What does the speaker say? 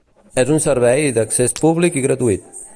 És un servei d’accés públic i gratuït.